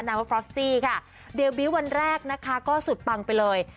ว่าฟรอสซี่ค่ะเดบิวต์วันแรกนะคะก็สุดปังไปเลย